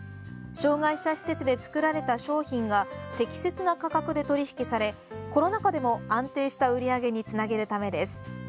障害者施設で作られた商品が適切な価格で取引されコロナ禍でも安定した売り上げにつなげるためです。